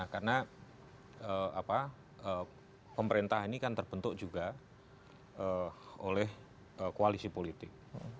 karena pemerintah ini kan terbentuk juga oleh koalisi politik